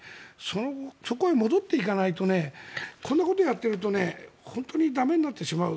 そこに戻っていかないとこんなことをやっていると本当に駄目になってしまう。